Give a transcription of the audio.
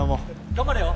頑張れよ。